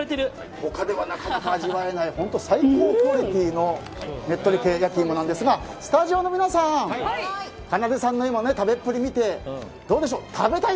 他ではなかなか味わえない最高クオリティーのねっとり系焼き芋なんですがスタジオの皆さんかなでさんの食べっぷりを見て食べたい！